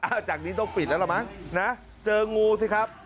จากนี้ต้องปิดแล้วล่ะมั้งนะเจองูสิครับ